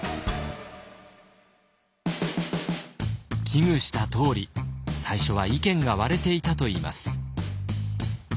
危惧したとおり最初は意見が割れていたといいます。